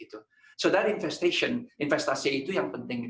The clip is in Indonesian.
jadi investasi itu yang penting